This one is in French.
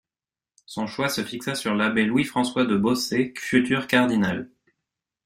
Son choix se fixa sur l'abbé Louis-François de Bausset, futur cardinal.